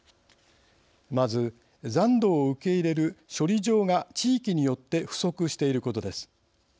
まず、残土を受け入れる処理場が地域によって不足していることです。